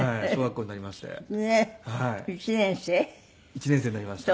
１年生になりました。